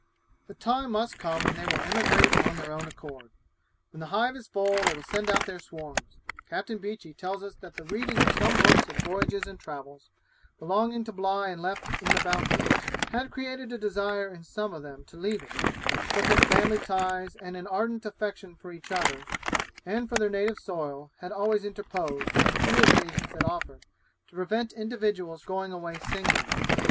The time must come when they will emigrate on their own accord. When the hive is full, they will send out their swarms. Captain Beechey tells us that the reading of some books of voyages and travels, belonging to Bligh and left in the Bounty, had created a desire in some of them to leave it; but that family ties and an ardent affection for each other, and for their native soil, had always interposed, on the few occasions that offered, to prevent individuals going away singly.